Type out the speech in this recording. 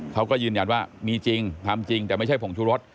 เขาก็ยืนยันว่ามีจริงทำจริงแต่ไม่ใช่ผงชุรส